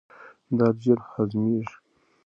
دال ژر هضمیږي.